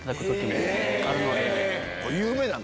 有名なん？